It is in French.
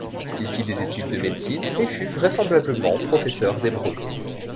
Il fit des études de médecine et fut vraisemblablement professeur d'hébreu.